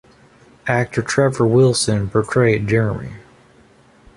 Actor Trevor Wilson portrayed Jeremy.